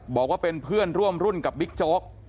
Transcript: บอกว่าเป็นเพื่อนร่วมรุ่นกับบิ๊กโจ๊ก